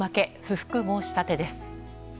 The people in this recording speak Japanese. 不服申し立てです。